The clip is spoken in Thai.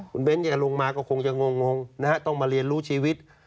คุณเบนอย่าลงมาก็คงจะงงต้องมาเรียนรู้ชีวิต